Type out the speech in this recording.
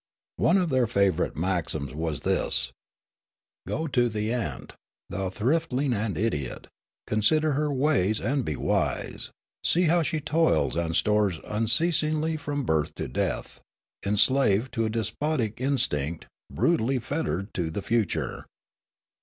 One of their favourite maxims was this :" Go to the ant, thou thriftling and idiot ; con sider her ways and be wi.se ; .see how she toils and stores unceasingly from birth to death, enslaved to a despotic instinct, brutally fettered to the future."